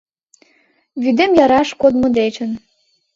Вӱдем яраш кодмо дечын